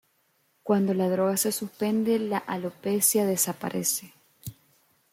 Cuando la droga se suspende, la alopecia desaparece.